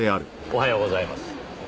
おはようございます。